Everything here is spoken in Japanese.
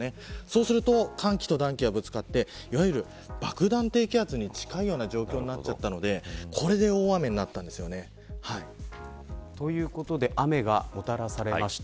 そうすると寒気と暖気がぶつかっていわゆる爆弾低気圧に近いような状況になっちゃったのでこれで大雨になったんですよね。ということで雨がもたらされました。